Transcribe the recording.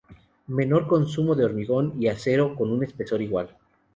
Menor consumo de hormigón y acero con un espesor igual.